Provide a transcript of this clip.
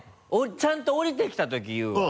ちゃんとおりてきたとき言うわ。